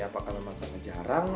apakah karena makanan jarang